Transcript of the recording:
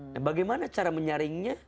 nah bagaimana cara menyaringnya